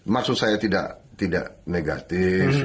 maksud saya tidak negatif